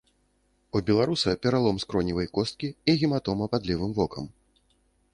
У беларуса пералом скроневай косткі і гематома пад левым вокам.